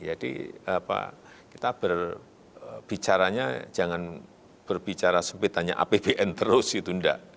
jadi kita berbicaranya jangan berbicara sempit tanya apbn terus itu enggak